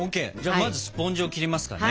まずスポンジを切りますかね。